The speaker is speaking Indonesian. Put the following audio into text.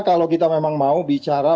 kalau kita memang mau bicara